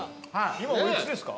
今お幾つですか？